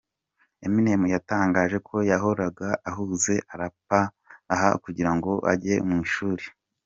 Eminem yatangaje ko yahoraga ahuze, arapa aho kugira ngo ajye mu ishuri.